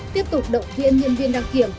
tiếp tục động viên nhân viên đăng kiểm